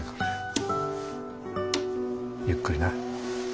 ゆっくりな。